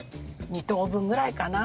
２等分ぐらいかな。